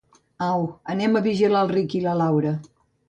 Au, anem a vigilar el Riqui i la Laura.